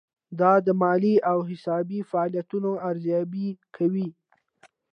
دا د مالي او حسابي فعالیتونو ارزیابي کوي.